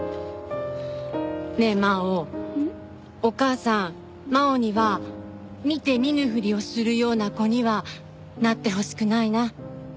お母さん真央には見て見ぬふりをするような子にはなってほしくないな。